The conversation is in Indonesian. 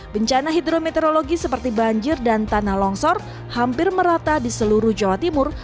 bencana hidrometeorologi seperti banjir dan tanah longsor hampir merata di seluruh jawa timur